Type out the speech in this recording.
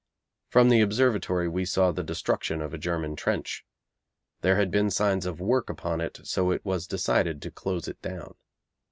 From the Observatory we saw the destruction of a German trench. There had been signs of work upon it, so it was decided to close it down.